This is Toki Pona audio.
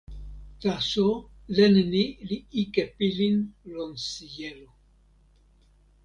taso len ni li ike pilin lon sijelo.